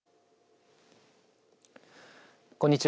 こんにちは。